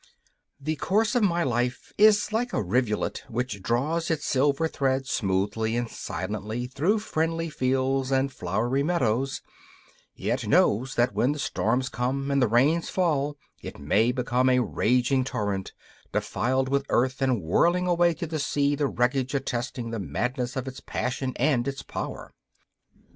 The course of my life is like a rivulet which draws its silver thread smoothly and silently through friendly fields and flowery meadows, yet knows that when the storms come and the rains fall it may become a raging torrent, defiled with earth and whirling away to the sea the wreckage attesting the madness of its passion and its power.